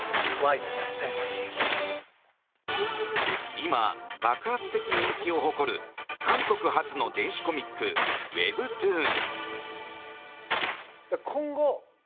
今、爆発的人気を誇る韓国発の電子コミックウェブトゥーン。